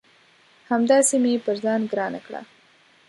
همداسي مې پر ځان ګرانه کړه